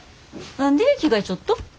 何で着替えちょっと？